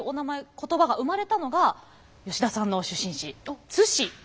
言葉が生まれたのが吉田さんの出身地津市。